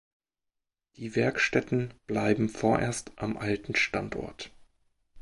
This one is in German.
Die Werkstätten bleiben vorerst am alten Standort.